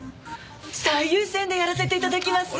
最優先でやらせて頂きます！